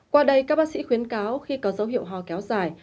qua đây các bác sĩ khuyến cáo khi có dấu hiệu ho kéo dài